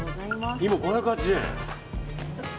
５８０円。